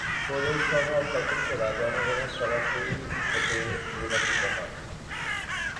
প্রদেশ সভার সদস্যরা জনগণের সরাসরি ভোটে নির্বাচিত হন।